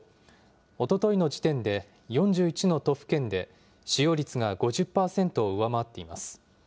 おとといの時点で４１の都府県で使用率が５０％を上回っています。